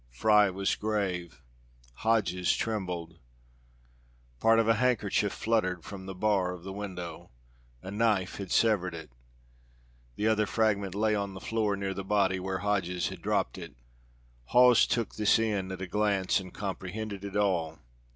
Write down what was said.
Fry was grave; Hodges trembled. Part of a handkerchief fluttered from the bar of the window. A knife had severed it. The other fragment lay on the floor near the body, where Hodges had dropped it. Hawes took this in at a glance and comprehended it all.